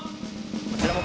こちらも。